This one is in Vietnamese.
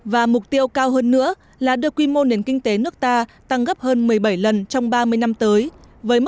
và mục tiêu cao hơn nữa là đưa quy mô nền kinh tế nước ta tăng gấp hơn một mươi bảy lần trong ba mươi năm tới